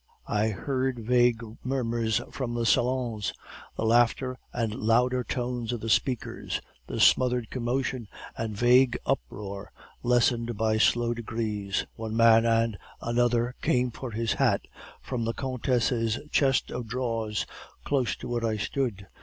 "I heard vague murmurs from the salons, the laughter and the louder tones of the speakers. The smothered commotion and vague uproar lessened by slow degrees. One man and another came for his hat from the countess' chest of drawers, close to where I stood.